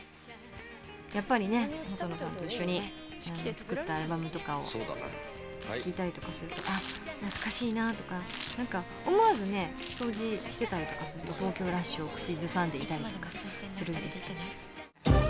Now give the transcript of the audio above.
やっぱりね細野さんと一緒に作ったアルバムとかを聴いたりとかするとあっ懐かしいなとか何か思わずね掃除してたりとかすると「東京ラッシュ」を口ずさんでいたりとかするんです。